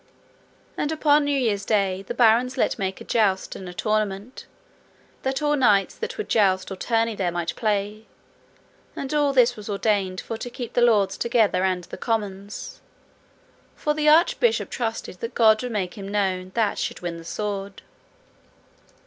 And upon New Year's Day the barons let make a jousts and a tournament, that all knights that would joust or tourney there might play, and all this was ordained for to keep the lords together and the commons, for the Archbishop trusted that God would make him known that should win the sword.